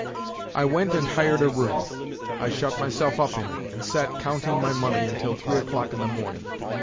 I went and hired a room, I shut myself up in it, and sat counting my money until three o'clock in the morning.